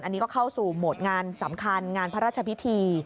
อันนี้ก็เข้าสู่โหมดงานสำคัญงานพระราชพิธี